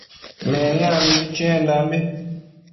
Meniac mibi chiendambi